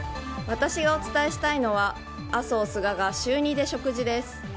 私がお伝えしたいのは麻生・菅が週２で食事です。